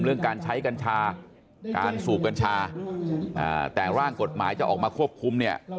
เรื่องการใช้กัญชาการสูบกัญชาแต่ร่างกฎหมายจะออกมาควบคุมเนี่ย